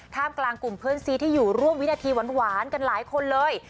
กลุ่มกลางกลุ่มเพื่อนซีที่อยู่ร่วมวินาทีหวานกันหลายคนเลย